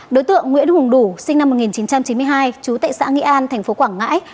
đối tượng nguyễn hùng đủ sinh năm một nghìn chín trăm chín mươi hai chú tại xã nghị an thành phố quảng ngãi